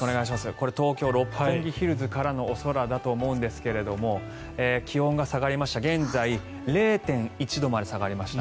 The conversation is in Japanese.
これ、東京・六本木ヒルズからのお空だと思うんですが気温が下がりまして現在０．１度まで下がりました。